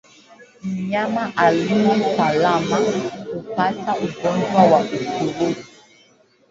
Mnyama aliye salama hupata ugonjwa wa ukurutu